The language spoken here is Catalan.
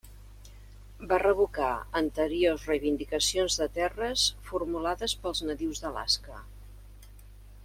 Va revocar anteriors reivindicacions de terres formulades pels nadius d'Alaska.